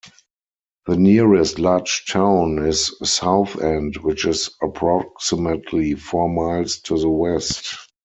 The nearest large town is Southend, which is approximately four miles to the west.